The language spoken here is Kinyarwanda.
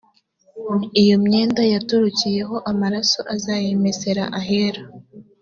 lyo myenda yatarukiyeho amaraso uzayimesere ahera